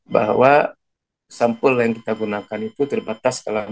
bahwa sampel yang kita gunakan itu terbatas